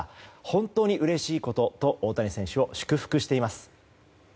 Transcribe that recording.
本当にうれしいことと大谷選手を祝福しています。